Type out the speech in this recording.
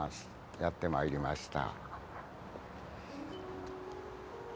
やってまいりました。